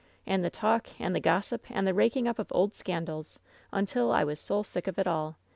And the talk, and the gossip, and the raking up of old scandals, until I was soul sick of it all.